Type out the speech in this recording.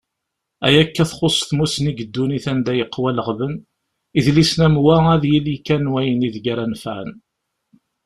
Ayakka txuṣṣ tmusni deg ddunit anda yeqwa leɣben, idlisen am wa ad yili kan wayen ideg ara nefƐen.